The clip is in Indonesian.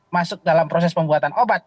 masuk dalam proses pembuatan obat